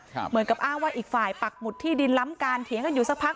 เหมือนกับอ้างว่าอีกฝ่ายปักหมุดที่ดินล้ำการเถียงกันอยู่สักพัก